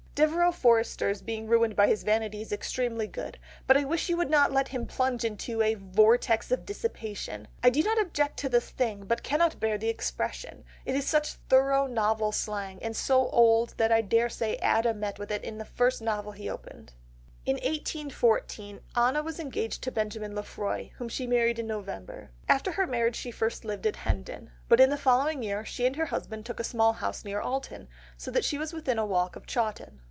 "Devereux Forester's being ruined by his vanity is extremely good, but I wish you would not let him plunge into a 'vortex of dissipation.' I do not object to the thing but cannot bear the expression; it is such thorough novel slang, and so old that I daresay Adam met with it in the first novel he opened." In 1814, Anna was engaged to Benjamin Lefroy, whom she married in November. After her marriage she first lived at Hendon, but in the following year she and her husband took a small house near Alton, so that she was within a walk of Chawton.